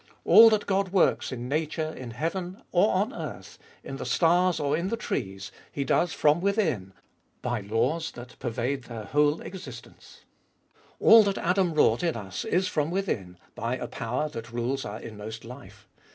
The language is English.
All that God works in nature in heaven or on earth, in the stars or in the 74 <Xbe tboltest of Bll trees, He does from within, bv laws that pervade their whole existence. All that Adam wrought in us is from within, by a power that rules our inmost life.